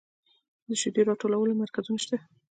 د شیدو راټولولو مرکزونه شته؟